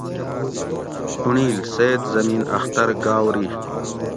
چُنڑیل: سید زمین اختر گاؤری